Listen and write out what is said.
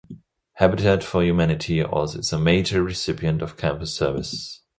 Habitat for Humanity also is a major recipient of campus service.